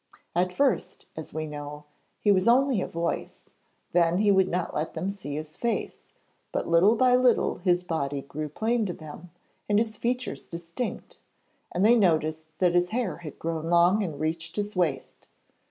At first, as we know, he was only a voice; then he would not let them see his face, but little by little his body grew plain to them and his features distinct, and they noticed that his hair had grown long and reached his waist.